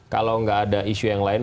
kalau nggak ada isu yang lain